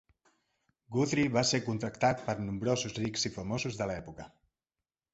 Guthrie va ser contractat per nombrosos rics i famosos de l'època.